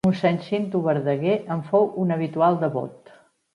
Mossèn Cinto Verdaguer en fou un habitual devot.